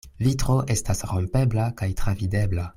Vitro estas rompebla kaj travidebla.